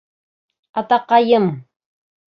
Атаҡайым!